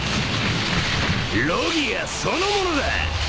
ロギアそのものだ！